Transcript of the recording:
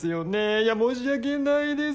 いや申し訳ないです。